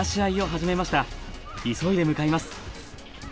急いで向かいます。